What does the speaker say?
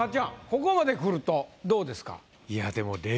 ここまでくるとどうですか？